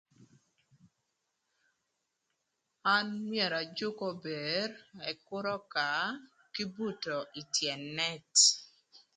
An myero ajük ober ëk kür öka kï buto ï tyën nët.